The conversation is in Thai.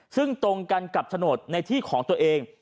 ซึ่งตรงกันกับโฉนดในที่ของตัวเอง